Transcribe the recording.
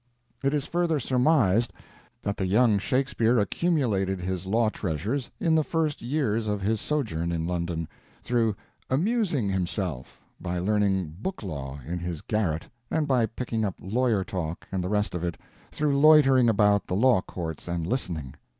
It is further surmised that the young Shakespeare accumulated his law treasures in the first years of his sojourn in London, through "amusing himself" by learning book law in his garret and by picking up lawyer talk and the rest of it through loitering about the law courts and listening.